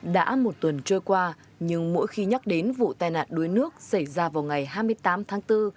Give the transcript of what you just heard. đã một tuần trôi qua nhưng mỗi khi nhắc đến vụ tai nạn đuối nước xảy ra vào ngày hai mươi tám tháng bốn